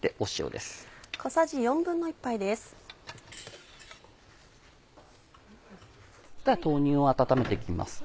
では豆乳を温めて行きます。